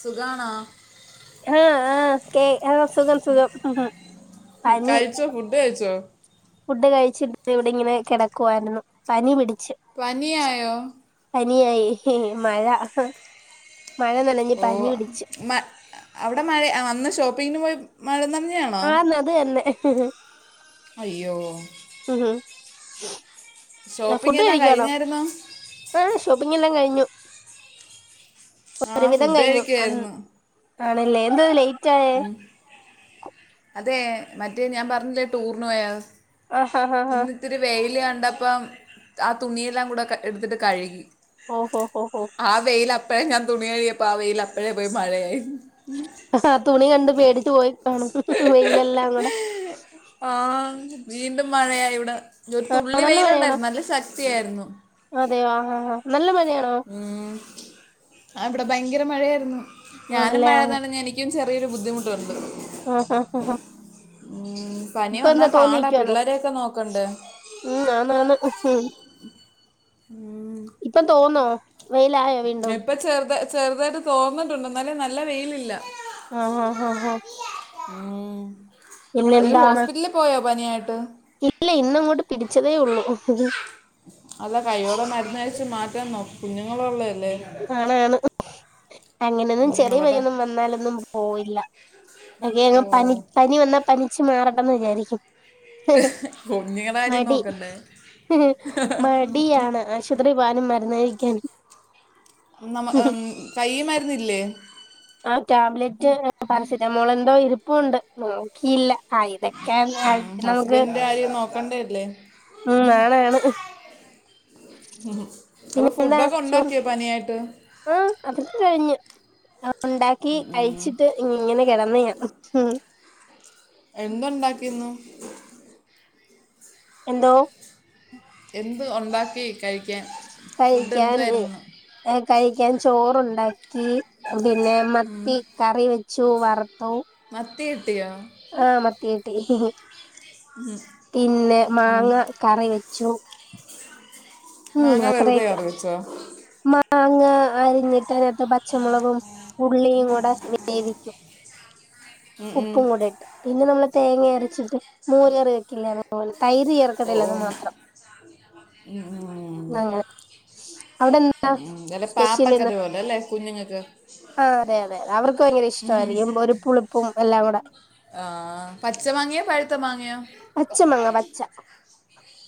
സുഖാണോ ആഹ് ആഹ് കേ ആ സുഖം സുഖം പനി കഴിച്ചോ ഫുഡ് കഴിച്ചോ ഫുഡ് കഴിച്ചിട്ട് ഇതേ ഇവിടിങ്ങനെ കെടക്കുവാരുന്നു പനി പിടിച്ചു പനിയായോ പനിയായി മഴ മഴ നനഞ്ഞ് ഓ പനി പിടിച്ചു മ അവിടെ മഴ അന്ന് ഷോപ്പിഗിന് പോയി മഴ നനഞ്ഞതാണോ ആഹ് നത് തന്നെ അയ്യോ ഉം ഹം ഷോപ്പിംഗ് ഫുഡ് എല്ലാം കഴിക്കാണോ കഴിഞ്ഞായിരുന്നോ ഏ ഷോപ്പിംഗ് എല്ലാം കഴിഞ്ഞു ആ ഒരുവിധം ഫുഡ് കഴിഞ്ഞു അ കഴിക്കുമായിരുന്നു ആണല്ലേ എന്താരുന്നു ലേറ്റ് ആയേ ഉം അതെ മറ്റേ ഞാൻ പറഞ്ഞില്ലേ ടൂറിന് പോയാ ആഹ് ഹാ ഹാ ത്തിരി വെയ്ല് കണ്ടപ്പം ആ തുണിയെല്ലാം കൂടെ ക ഇട്ത്ത്ട്ട് കഴ്കി ഓഹ് ഹോ ഹോ ഹോ ആ വെയില് അപ്പഴേ ഞാൻ തുണി കഴ്കിയപ്പ ആ വെയ്ല് അപ്പഴേ പോയി മഴെയായി ഹാ തുണി കണ്ട് പേടിച്ച് പോയി കാണും വെയിലെല്ലാം കൂടെ ആഹ് വീണ്ടും മഴയായി ഇവിടെ ഒര് തുള്ളി വെയ്ലുണ്ടായ്ര്ന്നു നല്ല ശക്തിയായ്ര്ന്നു അതെയാ ആഹ് ആഹ് നല്ല മഴെയാണോ ഊം ആഹ് ഇവ്ടെ ഭയ്ങ്കെര മഴെയായ്ര്ന്നു ഞാനും ആണല്ലേ മഴ ആഹ് നനഞ്ഞ് എനി ക്കും ചെറിയൊരു ബുദ്ധിമുട്ടുണ്ട് ആഹ് ഹാ ഹ ഹാ ഊം പനി വന്നാ പാടാ തോന്നിക്കുവാണോ പിള്ളേരെയൊക്കെ നോക്കണ്ടേ ഉം ആന്നാന്ന് ഇപ്പം തോന്നോ വെയ്ലായോ വീണ്ടും ഇപ്പ ചെർത ചെർതായ്ട്ട് തോർന്ന്ട്ടുണ്ട് ന്നാലും നല്ല വെയ്ലില്ലാ ആഹ് ആഹ് ഹാ ഹാ ഊം അയ്യോ പിന്നെന്താണ് ഹോസ്പിറ്റ്ല്ൽ പോയാേ പനിയായിട്ട് ഇല്ല ഇന്ന അങ്ങോട്ട് പിടിച്ചെതേ ഒള്ളു അല്ല കൈയ്യോടെ മര്ന്നഴ്ച്ച് മാറ്റാൻ നോ കുഞ്ഞുങ്ങളുള്ളെയെല്ലേ ആണാണ് അങ്ങനെന്നും ഉം, ചെറിയ അവരുടെ പനിയൊന്നും വന്നാലൊന്നും പോവില്ലാ ഓ [unintelligible] പനി പനി വന്നാ പനിച്ച് മാറട്ടെന്ന് വിചാരിയ്ക്കും കുഞ്ഞുങ്ങളുടെ കാര്യം മടി നോക്കണ്ടേ മടിയാണ് ആശ് പത്രീ പോവാനും മര്ന്ന് കഴിയ്ക്കാനും നമ്മ അം കയ്യി മര്ന്നില്ലേ ആഹ് ടാബ്ലെറ്റ് പാരസിറ്റാമോളെന്തോ ഇരിപ്പുണ്ട് നോക്കിയില്ലാ ആഹ് ഇതൊക്കെയാ [unintelligible] പിന്നെ നമുക്ക് നോക്കണ്ട്യെര്ലേ ഉം നളെയാണ് ഉഹും അപ്പൊ പിന്നെന്താ ഫുഡ്ഡാെക്കെ ചോറ് ഉണ്ടാക്ക്യാേ പനിയായ്ട്ട് ആഹ് അതൊക്കെ കഴിഞ്ഞു അഹ് ഉണ്ടാക്കി കഴിച്ചി ട്ട് ഇങ്ങെനെ കിടെന്ന് ഞാ എന്താണ്ടാക്കീന്നു എന്തോ എന്ത് ഒണ്ടാക്കി കഴിയ്ക്കാൻ ഫുഡ്ഡെന്തുവായ്ര്ന്നൂന്ന് ഞാൻ കഴിയ്ക്കാൻ ചോറുണ്ടാക്കി പിന്നേ മത്തി കറി വെച്ചു വറ്ത്തു മത്തി കിട്ടിയോ ആഹ് മത്തി കിട്ടി പിന്നെ മാങ്ങ കറി വെച്ചു ഉം മാങ്ങ വെറുതെ അത്രെയൊക്ക്യാ കറി വെച്ചോ മാങ്ങ അരിഞ്ഞി ട്ടനകത്ത് പച്ചമാെളകും ഉള്ളിയും കൂടെ വേവിയ്ക്കും ഉം ഉം. ഉപ്പും കൂടെ ഇട്ട് പിന്നെ നമ്മള് തേങ്ങെ അരെച്ചിട്ട് മാേര് കറി വെക്കില്ലേ അതുപോലെ തൈര് ഓ, ചേർക്കത്തില്ലെന്ന് മാത്രം ഉം ഉം [unintelligible] അവിടെ എന്താ ഉം വെലെ സ്പെഷ്യൽ പാപ്പക്കറി പോലെ അല്ലേ കുഞ്ഞുങ്ങക്ക് ആഹ് അതെ അതേ അവർക്ക് ഭയ്ങ്കെര ഇഷ്ടമായ്രിക്കും ഒരു പുളിപ്പും എല്ലാം കൂടെ ആഹ് പച്ച മാങ്ങയോ പഴ്ത്ത മാങ്ങയോ? പച്ചമങ്ങ പച്ച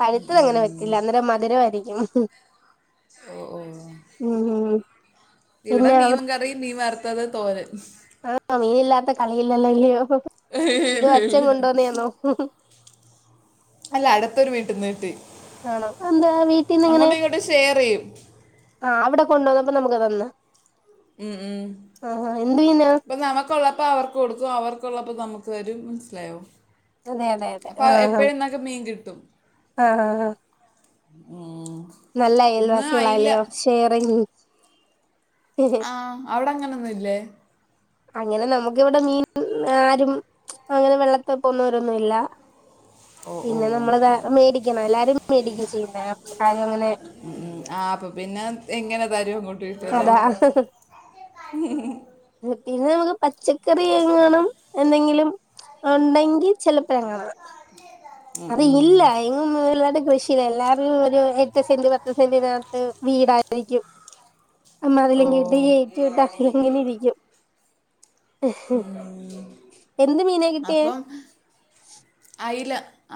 പഴ്ത്തത് അങ്ങനെ വെക്കില്ല അന്നേരം മധുരമായിരിക്കും. ഓ ഉം ഇവ്ടെ പിന്നെ മീൻ കറി, മീൻ വറ്ത്തത്, തോരൻ. ആഹ് മീനില്ലാത്ത കളിയില്ലല്ലോ ഇല്ല്യോ ഇത് അച്ഛൻ കൊണ്ടോന്ന്യെന്നോ? അല്ല അട്ത്തൊരു വീട്ടിന് കിട്ടി. ആണോ അന്താ വീട്ടീന്ന് ങ്ങനെ? ട് ഷെയറെയ്യും. ആഹ് അവടെ കൊണ്ടന്നപ്പോ നമക്ക് തന്ന ഉം ആഹ് ഹാ എന്ത് മീനാ? ക്കൊള്ളപ്പോ അവർക്ക് കൊടുക്കും അവർക്കൊള്ളപ്പോ നമക്ക് തരും മൻസ്സിലായോ? അതെ അതെ അതെ അപ്പൊ എപ്പഴുംന്നക്ക് മീൻ കിട്ടും. ആഹ് ആഹ് ആഹ് ഉം നല്ല ഇന്ന് അയില അയൽവാസികളാല്യോ ഷെയറിങ്ങ് ആഹ് അവടങ്ങനൊന്നു ല്ലേ? അങ്ങനെ നമുക്ക് വ്ടെ മീൻ ആരും അങ്ങനെ വെള്ളത്തി പോന്നോരൊന്നുല്ല. ഓ ഓ പിന്നെ നമ്മളതാ മേടിക്കണം എല്ലാരും മേടിക്ക ചെയ്യ്ന്ന ആരും അങ്ങനെ ഉം ആഹ് അപ്പൊ പിന്നെ എങ്ങനെ തരും അങ്ങോട്ട് കിട്ടല്ലേ അതാ പിന്നെ നമക്ക് പച്ചക്കറിയെങ്ങാനും എന്തെങ്കിലും ഉണ്ടെങ്കി ചെലപ്പങ്ങനെ ഉം, അത് ഉം. ഇല്ല എൻ ഉം വല്ലാതെ കൃഷിയില്ല എല്ലാരും ഒരു എട്ട് സെന്റ് പത്ത് സെന്റിനകത്ത് വീടായിരിക്കും. [inaudible] അമ്മ ഓ അതിലെങ്കി [unintelligible] [unintelligible] ഇങ്ങനെയിരിക്ക്യും. ഉം മീനാ കിട്ടിയേ അപ്പം അയ്ല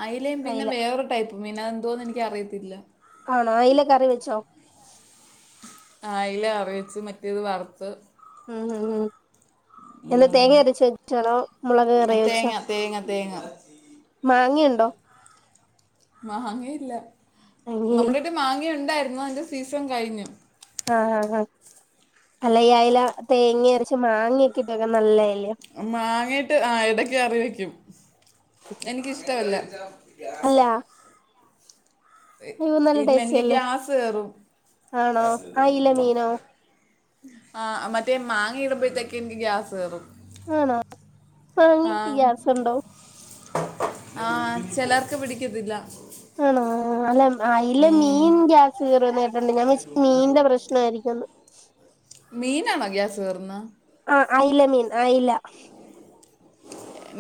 അയ്ലേം പിന്നെ അയില വേറൊരു ടൈപ്പ് മീനാ അതെന്തോന്ന് എനിക്കറിയത്തില്ല. ആണോ അയില കറി വെച്ചോ? ആഹ് ആയില കറിവച്ച് മറ്റേത് വറ്ത്ത്. ഉം ഉം ഉം എന്നാ ഉം. തേങ്ങ അരച്ച വെ [unintelligible] ണോ? മുളക് കറി വെച്ചോ? തേങ്ങ തേങ്ങ തേങ്ങ മാങ്ങയിണ്ടോ മാങ്ങയില്ല. മാങ്ങയില് നമ്മടെടെ മാങ്ങ ഉണ്ടായിരുന്നു അതിൻ്റെ സീസൺ കഴിഞ്ഞു. ആഹ് ആഹ് ആഹ് അല്ല ഈ അയില തേങ്ങ അരച്ച് മാങ്ങ്യെക്കെ ഇട്ടെക്കെ നല്ലേ മാങ്ങിയിട്ട് ആഹ് എടക്ക് കറി വെക്കും. എനിക്കിഷ്ടവല്ല. അല്ല അയ്യോ നല്ല ഇല്ല ടേസ്റ്റ് എനിക്ക് അല്ലേ ഗ്യാസ് കേറും ആണോ അയില മീനോ ആഹ് അ മറ്റേ മാങ്ങ ഇടുമ്പഴത്തേക് എനിക്ക് ഗ്യാസ് കേറും. ആണോ മാങ്ങക്ക് ആഹ് ഗ്യാസ് ഉണ്ടോ ആഹ് ചെലർക്ക് പിടിക്കത്തില്ല. ആണോ? അല്ല അയില ഉം. മീൻ ഗ്യാസ് കേറോന്ന് കേട്ട്ണ്ട് ഞാൻ വിചാര്ച്ച് മീൻന്റെ പ്രശ്നമായിരിക്കുംന്ന്. മീനാണോ ഗ്യാസ് കേറ്ന്നെ? ആഹ് അയില മീൻ അയില.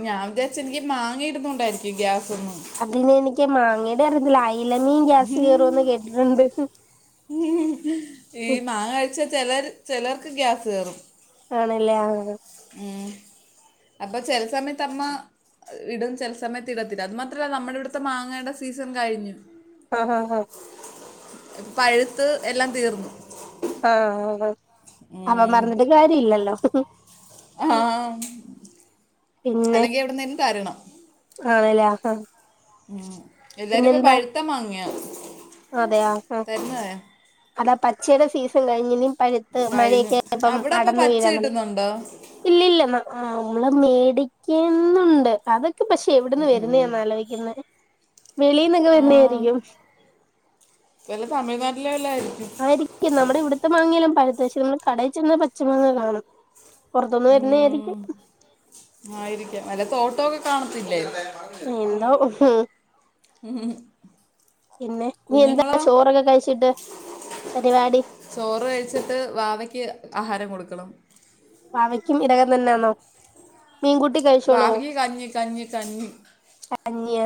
ഞാൻ വിചാരിച്ച് എനിക്ക് മാങ്ങയിടുന്നോണ്ടായിരിക്കും ഗ്യാസെന്ന്. അതിന് എനിക്ക് മാങ്ങടെ അറിയത്തില്ല അയല മീൻ ഗ്യാസ് കേറോന്ന് കേട്ടിട്ട്ണ്ട്. ഉ ഈ മാങ്ങ കഴിച്ച ചെലർ ചെലർക്ക് ഗ്യാസ് കേറും. ആണല്ലേ ആ. ഉം അപ്പൊ ചെല സമയത്ത് അമ്മ. ഇടും ചെല സമയത്ത് ഇടത്തില്ല അത് മാത്രല്ല നമ്മുടെ ഇവിടുത്തെ മാങ്ങയുടെ സീസൺ കഴിഞ്ഞു. ആ ഹ ഹ. പഴുത്ത് എല്ലാം തീർന്നു. ആഹ. ഉം. അപ്പ പറഞ്ഞിട്ട് കാര്യം ഇല്ലല്ലോ. ആഹ് പിന്നെ അല്ലെങ്കി എവിടനെലും തരണം. ആണല്ലേ. ഉം എല്ലാരും ഇപ്പൊ പിന്നെന്താ പഴുത്ത മാങ്ങിയ. അതെയ ആ അതാ പച്ചയുടെ സീസൺ കഴിഞ്ഞിനി. പഴുത്ത് മഴൊക്ക കഴിഞ്ഞു ആയഇപ്പം അവിടെ ഇപ്പൊ അടന്നു പച്ച വീഴാതൊടങ്ങി. കിട്ടുന്നുണ്ടോ ഇല്ല ഇല്ലന്ന നമ്മള് മേടിക്കുന്നുണ്ട് അതൊക്കെ പക്ഷെ ഉം എവിടന്ന് ഉം വരുന്ന ഉം. എന്നലോയി യ്ക്കുന്നത് വെളിന്നൊക്കെ വരുന്നെ ആയിരിക്കും. വെല്ല തമിഴ്നാട്ടിലെവല്ലായിരിക്കും. ആയിരിക്കും നമ്മുടെ ഇവിടുത്തെ മാങ്ങെല്ലാം പഴുത്ത് ഷെ നമ്മള് കടയി ചെന്ന പച്ച മാങ്ങ കാണും. പൊറത്തുന്ന് വരുന്ന ഉം. ആയിരിക്കും. ആയിരിക്കാം വല്ല തൊട്ടോക്കെ കാണത്തില്ലേ. എന്തോ പിന്നെ. ഇനി എന്താ കുഞ്ഞുങ്ങളോ ചോറൊക്കെ കഴിച്ചിട്ട് പരിപാടി. ചോറ് കഴിച്ചിട്ട് വാവയ്ക്ക് ആഹാരം കൊടുക്കണം. വാവയ്ക്കും ഇടകം തന്നെയാണോ. വാവക്ക് കഞ്ഞി, കഞ്ഞി, കഞ്ഞി. കഞ്ഞിയ.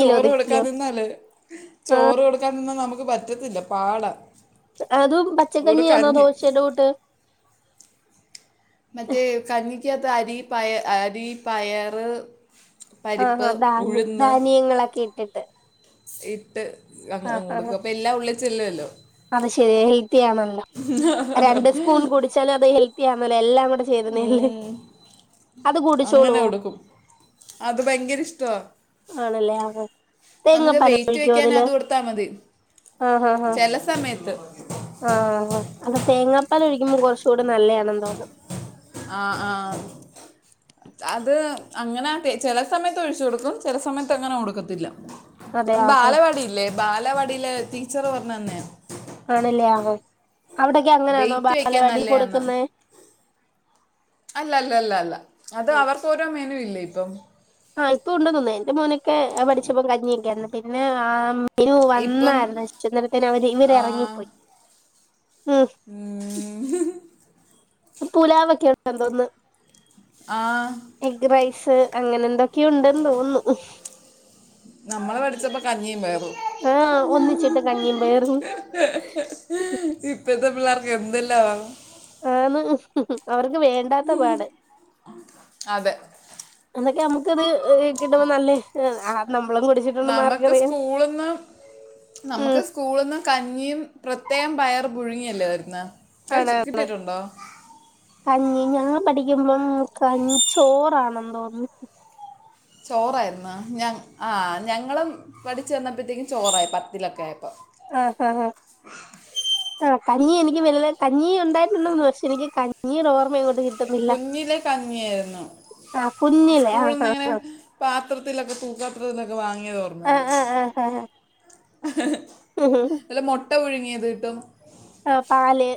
ചോറ് കൊടുക്കാതിന്നാലെ ആ ചോറ് കൊടു ക്കാനൊന്നും നമുക്ക് പറ്റത്തില്ല പാട. അതും പച്ചക്കഞ്ഞിയാണോ ദോശയുടെ കൂട്ട്. മറ്റേ കഞ്ഞിക്കത്ത് അരി പയ അരി പയറ്. പരിപ്പ്, ഉഴുന്ന്. ങ്ങളൊക്കെ ഇട്ടിട്ട്. ഇട്ട് അങ് ആഹ് കൊടുക്കും ആഹ് അപ്പൊ എല്ലാം ഉള്ളിച്ചെല്ലുവല്ലോ. അത് ശെരി ഹെൽത്തിയാണല്ല. രണ്ട് സ്പൂൺ കുടിച്ചാലും അത് ഹെൽത്തിയാണല്ല എല്ലാം കുടെ. ഉം അങ്ങനെ കുടിച്ചോളുവോ കൊടുക്കും അത് ഭയങ്കര ഇഷ്ടവാ. ആണല്ലേ ആഹ് നമുക്ക് തേങ്ങാപ്പാൽ വെയിറ്റ് ഒഴിക്കോ അതില് വെക്കാനത് കൊടുത്താ മതി. ആഹ് ആഹ് ചെല സമേത്ത്. ആഹ് ആ അയിന് തേങ്ങാപ്പാലൊ ഴിക്കുമ്പോ കുറച്ചൂടി നല്ലെയാണെന്ന് തോന്നുന്നു. ആഹ്, ആഹ്. അത് അങ്ങനെ ചെല സമയത്ത് ഒഴിച്ചു കൊടുക്കും ചെല സമയത്ത് അങ്ങനെ കൊടുക്കത്തില്ല. അതെ ആഹ് ബാലവാടില്ലേ ബാലവാടിയിലെ ടീച്ചറ് പറഞ്ഞു തന്നേ. ആണല്ലേ ആഹ് അവിടൊക്കെ അങ്ങനെയാണോ വെയിറ്റ് വെക്കാൻ ബാലവാടി നല്ലതാണ് കൊടുക്കുന്നെ. അല്ല അല്ല അല്ല അല്ല അത് അവർക്കോരോ മെനു ഇല്ലേ ഇപ്പം. ആഹ് ഇപ്പൊണ്ടന്ന് തോന്നുന്നു എന്റെ മോന്. ക്കെ പഠിച്ചപ്പം കഞ്ഞിയൊക്കൊയിരുന്നു പിന്നെ ആ മെനു ഇപ്പം വന്നായിരുന്നു അന്നേരത്ത്ന് അവര് ഇവരെ ആ, ഇറങ്ങിപ്പോ. ഉം ഉം പുലാവൊക്കെ ഉണ്ടായിരുന്നോന്ന് ആഹ് എഗ് റൈസ് അങ്ങനെ എന്തൊക്കെയോ ഉണ്ടെന്ന് തോന്നുന്നു [inaudible] നമ്മളെ പഠിച്ചപ്പോ കഞ്ഞിയും പയറും ആഹ് ഒന്നിച്ചിട്ട് കഞ്ഞിയും പയറും ഇപ്പത്തെ പിള്ളേർക്ക് എന്തെല്ലാവാ ആന്ന് അവർക്ക് വേണ്ടാത്ത പാട് അതെ എന്തൊക്കെ നമുക്ക് ക് ത് കിട്ടുമ്പോ നല്ലേ നമ്മളും കുടിച്ചിട്ടുണ്ടോന്ന് ആർക്ക് നമുക്ക് അറിയാം [unintelligible] നമുക്ക് സ്കൂള് ന്ന് കഞ്ഞിയും പ്രത്യേകം പയർ പുഴുങ്ങിയല്ലേ തരുന്നേ പൈനാപ്പിള് കഞ്ഞി ഞാൻ പഠിക്കുമ്പം ക ചോറാണന്ന് തോന്ന്ണ് ചോറായിരുന്നാ ഞ ആ ഞങ്ങളും പഠിച്ചു വന്നപ്പഴ് ത്തേക്കും ചോറായി പത്തിലൊക്കെ ആയപ്പോ ആ, ഹ ഹാ കഞ്ഞി എനിക്ക് വല്യ കഞ്ഞി ഉണ്ടായിരുന്നുന്ന് പക്ഷെ എനിക്ക് കഞ്ഞീ യുടെ ഓർമ്മട കുഞ്ഞിലെ കഞ്ഞിയായിരുന്നു ആഹ് കുഞ്ഞിലെ സ്കൂള് ആഹ് ആഹ് ന്നിങ്ങനെ പാത്രത്തിലൊക്കെ തൂക്കാത്രത്തിലൊക്കെ വാങ്ങിയ തോർമ്മയുണ്ട് ആഹ് ഉം ഉം നല്ല മൊട്ട പുഴുങ്ങിയത് കിട്ടും ആ പാല്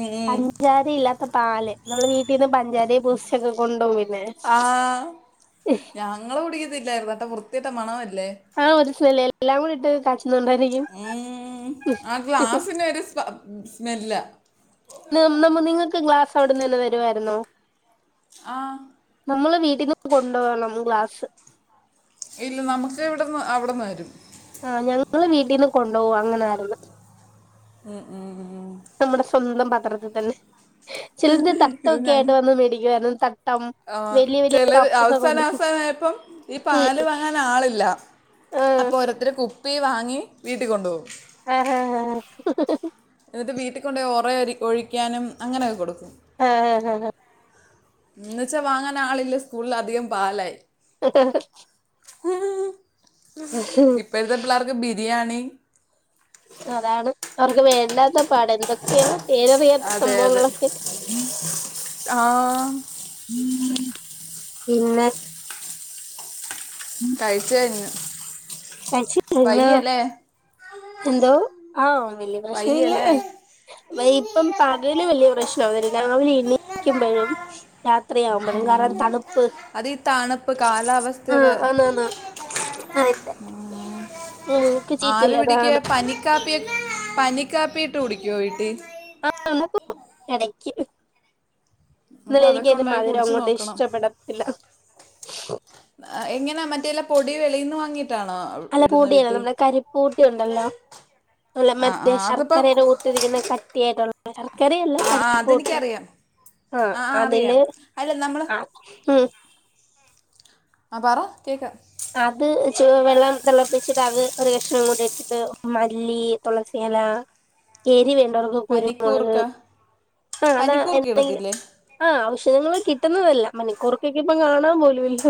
ഉം, ഉം. പഞ്ചാര ഇല്ലാത്ത പാല് നമ്മൾ വീട്ടീന്ന് പഞ്ചാരയെ ബൂസ്റ്റൊക്കെ കൊണ്ടു പോകും പിന്നെ ആ ഞങ്ങള് കുടിക്കത്തില്ലായിരുന്നു ന്ന്ട്ടൊ വൃത്തികെട്ട മണമല്ലേ ആ ഒരു സ്മല്ല് എല്ലാം കൂടിട്ട് കാച്ചി ഉം ആ ഗ്ലാസിന് ഒരുസ്മല്ല നിങ്ങൾക്ക് ഗ്ലാസ് അവിട്ന്ന് തന്നെ തരുവായിരുന്നോ ആഹ് നമ്മള് വീട്ടിൽ നിന്ന് കൊണ്ട് വരണം ഗ്ലാസ് ഇല്ല നമക്ക് ഇവിടുന്ന് അവിട്ന്ന് തരും ആ ഞങ്ങള് വീട്ടീന്ന് കൊണ്ടോവും അങ്ങനെ ആയിരുന്നു ഉം ഉം നമ്മുടെ സ്വന്തം പത്രത്തിൽ തന്നെ ചിലത് തട്ടൊക്കെ ആയിട്ട് വന്ന് മേടിക്കുവായിരുന്നു ത ആ ചിലര് അവസാന അവസാന ആയപ്പം ഈ ഉം പാല് വാങ്ങാൻ ആളില്ല അപ്പൊ ഓരോര്ത്തര് കുപ്പി വാങ്ങി വീട്ടി കൊണ്ടോവും ആഹ് ആഹ് ആഹ് എന്നിട്ട് വീട്ടിൽ കൊണ്ടോയി ഒറെ ഒഴിക്കാനും അങ്ങനെയൊക്കെ കൊടുക്കും ഏ ഹ് ഹ് ഹ് ഇന്ന്ച്ചാ വാങ്ങാൻ ആളില്ല സ്കൂളിൽ അധികം പാലായി ആ ഇപ്പഴ്ത്തെ പിള്ളേർക്ക് ബിരിയാണി അതാണ് അവർക്ക് വേണ്ടാത്ത പാടാണ് എന്തക്കെയൊ പേരറിയാത്ത അതെ അതെ സംഭവങ്ങളൊക്കെ ആ പിന്നെ കഴിച്ച് കയ്ഞ്ഞു കഴിച്ച് കയിഞ്ഞോ എന്തോ ആ [unintelligible] വയ്യ ലേ ഇപ്പം പകല് വലിയ പ്രശ്നവുല്ല രാവിലെ എണിക്കുമ്പോഴും രാത്രി ത്രി യാവുമ്പോഴും കാരണം ഉം. തണുപ്പ് അത് ഈ തണുപ്പ് ആ കാലാവസ്ഥയുടെ അ ന്നന്ന അയിത്തെ ഉം ആവി പിടിക്ക പനിക്കാപ്പിയ പനിക്കാപ്പിയിട്ട് കുടിക്കുവോ വീട്ടി ആ [unintelligible] ഇടക്ക് അപ്പം എന്നാലും എനിക്ക് അതൊക്കെ അതിന്റെ ഉണ്ടാക്കി മധുരം കുടിച്ചു അങ്ങോട്ട് നോക്കണം ഇഷ്ടപ്പെടത്തില്ല എങ്ങനാ മറ്റേല്ല പൊടി വെളീന്ന് വങ്ങീട്ടാണോ അല്ല പൂട്ടിയല്ലോ നമ്മുടെ കരിപ്പൂട്ടി ഉണ്ടല്ലോ നല്ല ആ ആ മറ്റേ ശർക്കരയുടെ അതിപ്പോൾ കൂട്ടിരിക്കുന്ന കട്ടിയായിട്ടുള്ള ശർക്കരയല്ല ആ ആ കരിപ്പൂട്ടി അതെനിക്കറിയാം ആ അറിയാം അതില് അല്ല നമ്മൾ ആ ഉം ആ പറ കേൾക്ക അത് ചു വെള്ളം തിളപ്പിച്ചിട്ട് അത് ഒരു കഷ്ണം കൂടി ഇട്ടിട്ട് മല്ലി തുളസില എരി വേണ്ടവർക്ക കുരുമുളക് പനിക്കൂർക്ക ആ അതാ പനിക്കൂർക്ക എന്തെങ്കിലും ഇടത്തില്ലേ ആ ഔഷധങ്ങൾ കിട്ടുന്നതല്ല മണിക്കൂറക്കൊക്കെ ഇപ്പ കാണാൻ പോലുമില്ല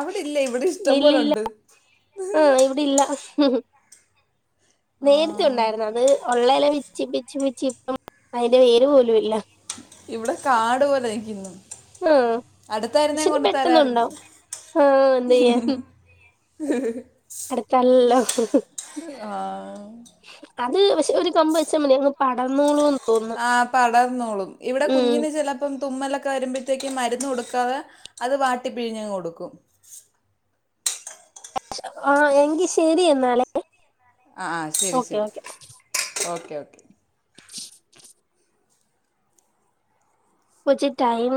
അവിടെ ഇല്ലേ ഇവിടെ ഇഷ്ടം ഇല്ലില്ല പോലെുണ്ട് ആഹ് ഇവിടെ ഇല്ല ആ നേരത്തെ ഉണ്ടായിരുന്നു അത് ഉള്ളല വിച്ച് പിച്ചി പിച്ചി ഇപ്പം അതിന്റെ വേര് പോലും ഇല്ല ഇവിടെ കാട് പോലെ ആയിക്ണ് ആഹ് അടുത്തായിരുന്നേ പക്ഷെ ഇത് കൊണ്ടു തരായിരുന്നു പെട്ടെന്നുണ്ടാവും ആഹ് എന്ത് ചെയ്യാൻ അടുത്താണല്ലോ ആഹ് അത് പക്ഷെ ഒരു കൊമ്പ് വെച്ചാൽ മതി അങ്ങ് പടർന്നോളും ന്ന് ആ പടർന്നോളും ഇവിടെ ഉം കുഞ്ഞിന് ചില ഇപ്പം തുമ്മലൊക്കെ വരുമ്പോഴത്തേക്ക് മരുന്ന് കൊടുക്കാതെ അത് വാട്ടി പിഴിഞ്ഞങ്ങ് കൊടുക്കും ആ എങ്കിൽ ശരി എന്നാലേ ആ ആ ശരി ഓക്കെ ശരി ഓക്കെ ഓക്കെ ഓക്കെ കുച്ച് ടൈം